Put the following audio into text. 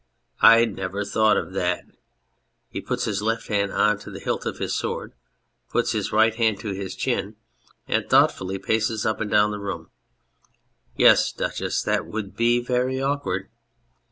I never thought of that ! (He puts his left hand on to the hilt of his sword, puts his right hand to his chin, and thoughtfully paces up and down the room.} Yes, Duchess, that would be very awkward.